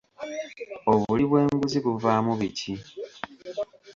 Obuli bw'enguzi buvaamu biki?